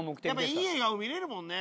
いい笑顔見れるもんね。